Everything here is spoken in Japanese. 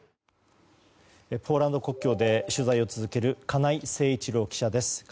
ポーランド国境で取材を続ける金井誠一郎記者です。